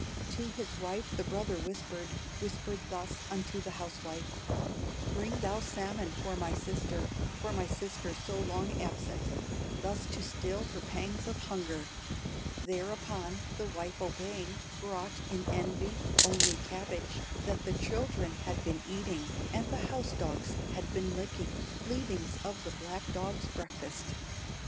"To his wife the brother whispered, Whispered thus unto the housewife: 'Bring thou salmon for my sister, For my sister so long absent, Thus to still her pangs of hunger.' "Thereupon the wife obeying, Brought, in envy, only cabbage That the children had been eating, And the house dogs had been licking, Leavings of the black dog's breakfast.